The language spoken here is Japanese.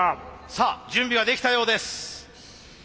さあ準備はできたようです。